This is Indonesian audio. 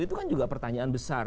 itu kan juga pertanyaan besar